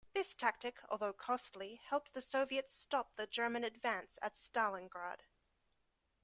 This tactic, although costly, helped the Soviets stop the German advance at Stalingrad.